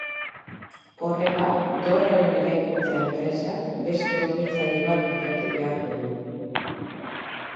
Horrela, dorrearen eraikuntza enpresak beste hornitzaile bat bilatu beharko du.